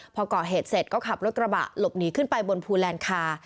พอก่อเหตุเสร็จก็ขับรถกระบะหลบหนีขึ้นไปบนภูแลนคา